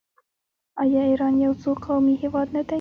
آیا ایران یو څو قومي هیواد نه دی؟